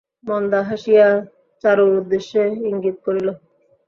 মন্দা হাসিয়া চারুর উদ্দেশে ইঙ্গিত করিল।